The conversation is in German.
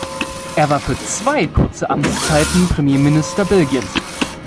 Er war für zwei kurze Amtszeiten Premierminister Belgiens.